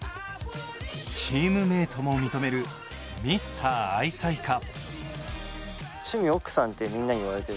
チームメートも認めるミスター愛妻家。